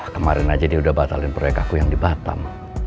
kemarin aja dia udah batalin proyek aku yang di batam